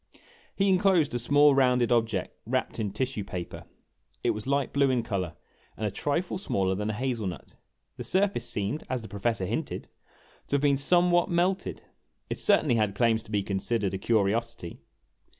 He inclosed a small rounded object wrapped in tissue paper. It was light blue in color and a trifle smaller than a hazel nut. The surface seemed, as the Professor hinted, to have been some what melted. It certainly had claims to be considered a curiosity.